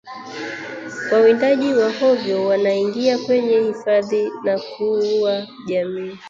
Wawindaji wa hovyo wanaingia kwenye hifadhi na kuua jamii